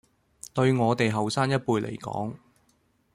對我哋後生一輩嚟講